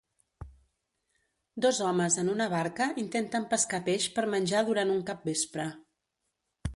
Dos homes en una barca intenten pescar peix per menjar durant un capvespre.